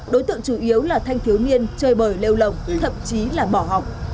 đối tượng chủ yếu là thanh thiếu niên chơi bời lêu lồng thậm chí là bỏ học